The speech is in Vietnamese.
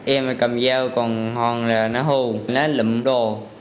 em cầm dao còn hoàng là nó hù nó lụm đồ